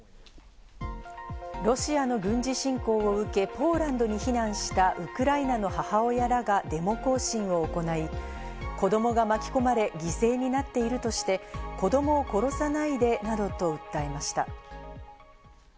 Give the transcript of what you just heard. ロシアの軍事侵攻を受け、ポーランドに避難したウクライナの母親らがデモ行進を行い、子供が巻き込まれ、犠牲になっているとして子供を殺さないでなどと訴えました。